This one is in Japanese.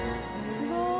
すごーい。